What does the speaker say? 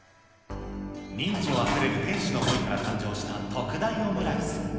人情あふれる店主の思いから誕生した特大オムライス。